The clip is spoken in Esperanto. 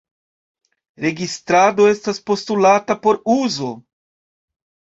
Registrado estas postulata por uzo.